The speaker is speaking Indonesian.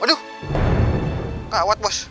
aduh kawat bos